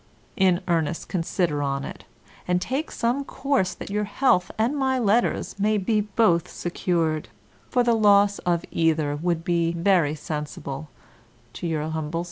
In earnest consider on't, and take some course that your health and my letters may be both secured, for the loss of either would be very sensible to Your humble.